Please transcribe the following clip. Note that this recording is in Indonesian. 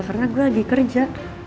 karena gue lagi kerja